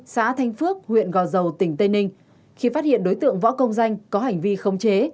xã thanh phước huyện gò dầu tỉnh tây ninh khi phát hiện đối tượng võ công danh có hành vi khống chế